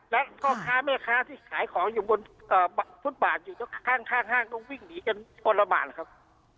และเพราะมีมีค้าสายของจะอยู่บนทุศหว่างตรงข้างห้างต้องวิ่งหนีเกินกว่าละบาทครับ